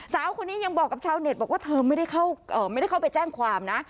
สาวคนนี้ยังบอกโชว์เน็ตว่าเธอไม่ได้เข้าไม่ได้เข้าไปแจ้งความนะ